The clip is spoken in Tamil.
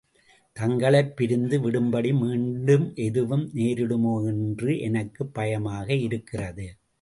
தங்களைப் பிரிந்து விடும்படி மீண்டும் எதுவும் நேரிடுமோ என்று எனக்குப் பயமாக இருக்கிறது.